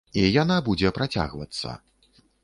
І яна будзе працягвацца.